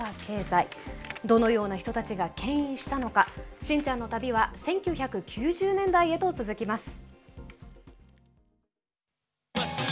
どのような人たちがけん引したのか信ちゃんの旅は１９９０年代へと続きます。